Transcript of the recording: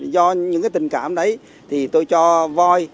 do những tình cảm đấy tôi cho voi